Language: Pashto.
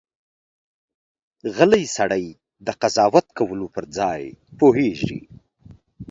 غلی سړی، د قضاوت کولو پر ځای پوهېږي.